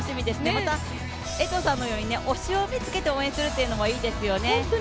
また、江藤さんのように推しを見つけて応援するというのもいいですよね。